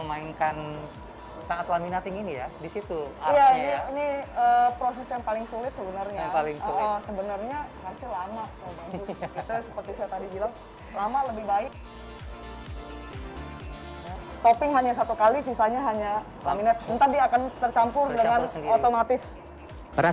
kita tunggu sampai besok